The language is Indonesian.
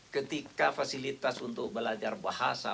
ketika fasilitas untuk belajar bahasa